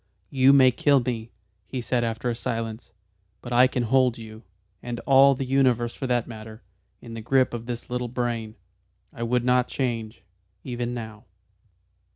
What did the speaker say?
"You may kill me," he said after a silence. "But I can hold you and all the universe for that matter in the grip of this little brain. I would not change. Even now."